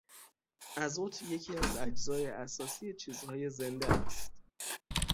ازت یکی از اجزای اساسی چیزهای زنده است.